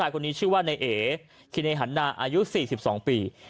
คนนี้ชื่อว่านายเอคิเนหันนาอายุ๔๒ปี